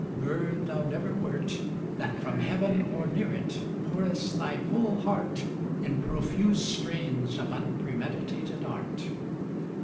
Bird thou never wert That from heaven or near it Pourest thy full heart In profuse strains of unpremeditated art.